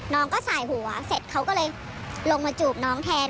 น้องก็สายหัวเสร็จเขาก็เลยลงมาจูบน้องแทน